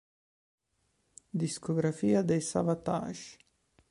Discografia dei Savatage